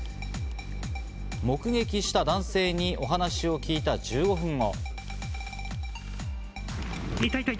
目撃した男性にお話を聞いた１５分後。